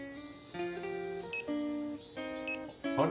あれ？